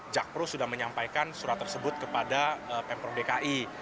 jakpro sudah menyampaikan surat tersebut kepada pemprov dki